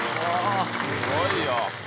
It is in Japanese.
すごいよ。